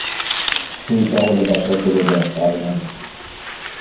তুই তাহলে বাসায় চলে যা, বারম্যান।